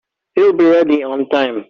He'll be ready on time.